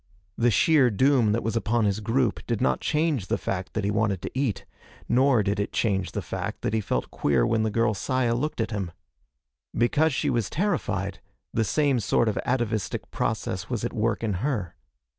The sheer doom that was upon his group did not change the fact that he wanted to eat, nor did it change the fact that he felt queer when the girl Saya looked at him. Because she was terrified, the same sort of atavistic process was at work in her.